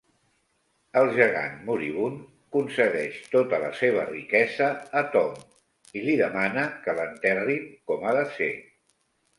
El gegant moribund concedeix tota la seva riquesa a Tom i li demana que l'enterrin com ha de ser.